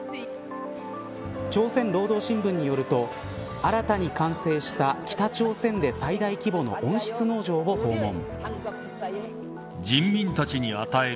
朝鮮労働新聞によると新たに完成した北朝鮮で最大規模の温室農場を訪問。